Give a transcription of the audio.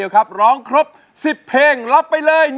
กล้องร้องให้ล้าน